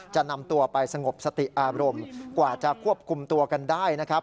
จะนำตัวไปสงบสติอารมณ์กว่าจะควบคุมตัวกันได้นะครับ